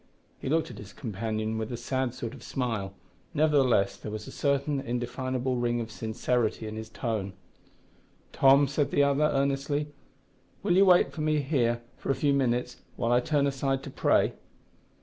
He looked at his companion with a sad sort of smile; nevertheless, there was a certain indefinable ring of sincerity in his tone. "Tom," said the other, earnestly, "will you wait for me here for a few minutes while I turn aside to pray?"